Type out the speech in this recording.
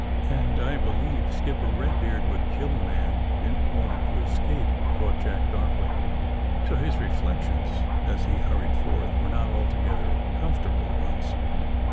*'And I believe Skipper Eedbeard would kill a man in order to escape, '' thought Jack darkly. So his reflections, as he hurried forth, were not altogether comfortable ones.